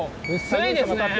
薄いですねえ！